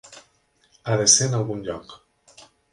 Ha de ser en algun lloc.